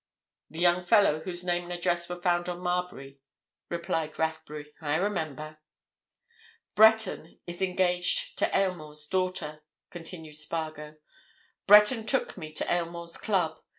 "The young fellow whose name and address were found on Marbury," replied Rathbury. "I remember." "Breton is engaged to Aylmore's daughter," continued Spargo. "Breton took me to Aylmore's club.